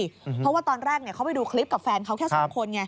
เพราะว่าตอนแรกเขาไปดูคลิปกับแฟนเขาแค่สองคนไง